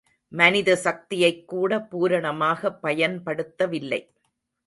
மனித சக்தியைக் கூட பூரணமாகப் பயன்படுத்தவில்லை.